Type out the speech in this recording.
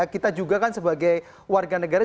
kita juga kan sebagai warga negara